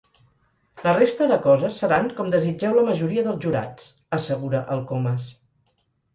La resta de coses seran com desitgeu la majoria dels jurats —assegura el Comas—.